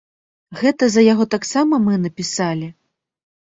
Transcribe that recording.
Гэта за яго таксама мы напісалі?